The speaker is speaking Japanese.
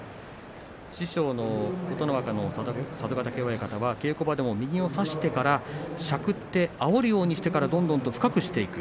師匠の佐渡ヶ嶽親方は稽古場でも右を差してから手繰ってあおるようにしてからどんどん深くしていく。